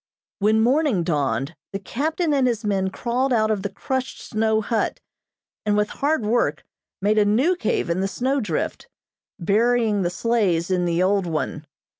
When morning dawned, the captain and his men crawled out of the crushed snow hut, and, with hard work, made a new cave in the snow drift, burying the sleighs in the old one.